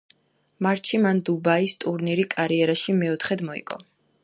მარტში მან დუბაის ტურნირი კარიერაში მეოთხედ მოიგო.